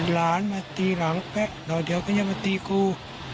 หลานมาตีหลังแป๊บเดี๋ยวเดี๋ยวก็ยังมาตีครู